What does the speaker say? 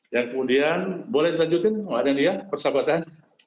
yang kemudian boleh dipanjutkan pak adelian persahabatan